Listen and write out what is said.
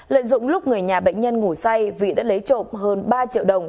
lợi dụng lúc người nhà bệnh nhân ngủ say vị đã lấy trộm hơn ba triệu đồng